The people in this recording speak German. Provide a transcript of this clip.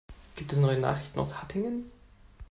Gibt es neue Nachrichten aus Hattingen?